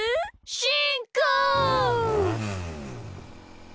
しんこう！